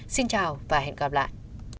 xin chào và hẹn gặp lại